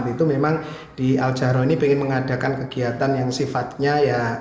itu memang di al jahro ini ingin mengadakan kegiatan yang sifatnya ya